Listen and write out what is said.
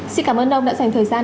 xin cảm ơn ông đã dành thời gian